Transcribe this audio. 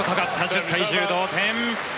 １０対１０、同点。